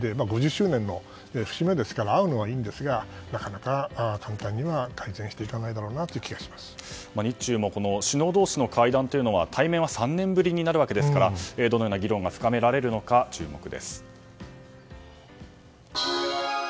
５０周年の節目ですから会うのはいいんですがなかなか簡単には改善していかないだろうなという日中も、首脳同士の会談は対面は３年ぶりになるわけなのでどのような議論が深められるのか注目です。